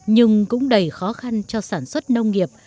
nhưng cũng đầy khó khăn cho sản xuất nông nghiệp